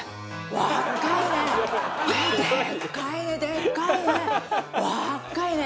若いね！